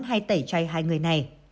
hãy tẩy chay hai người này